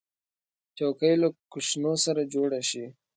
چوکۍ له کوشنو سره جوړه شي.